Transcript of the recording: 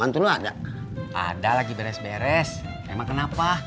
tuh beres emang kenapa